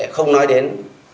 không nói đến